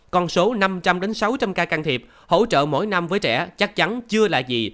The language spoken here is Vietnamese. con số năm trăm linh sáu trăm linh ca can thiệp hỗ trợ mỗi năm với trẻ chắc chắn chưa là gì